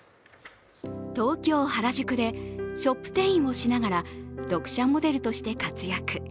東京・原宿でショップ店員をしながら読者モデルとして活躍。